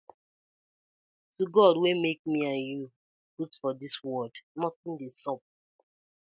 To God wey mak mi and you put for dis world, notin dey sup.